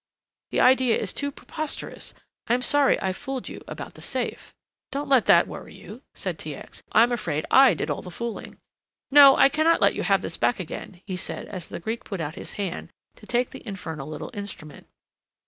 The idea is too preposterous. I am sorry I fooled you about the safe." "Don't let that worry you," said T. X. "I am afraid I did all the fooling. No, I cannot let you have this back again," he said, as the Greek put out his hand to take the infernal little instrument.